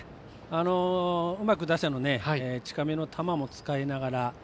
うまく打者に近めの球も使いながら。